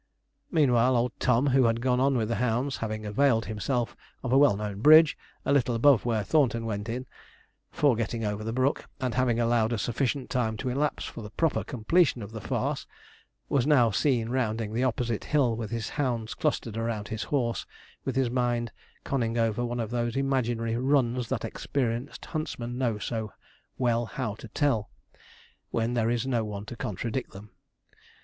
Meanwhile, old Tom, who had gone on with the hounds, having availed himself of a well known bridge, a little above where Thornton went in, for getting over the brook, and having allowed a sufficient time to elapse for the proper completion of the farce, was now seen rounding the opposite hill, with his hounds clustered about his horse, with his mind conning over one of those imaginary runs that experienced huntsmen know so well how to tell, when there is no one to contradict them.